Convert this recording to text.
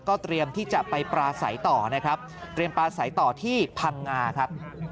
เตรียมที่จะไปปราศัยต่อนะครับเตรียมปลาใสต่อที่พังงาครับ